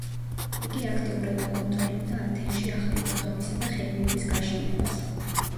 იგი აქტიურად აკონტროლებდა ათენში ახალი ბაღებისა და ხეივნების გაშენებას.